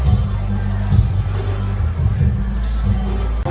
สโลแมคริปราบาล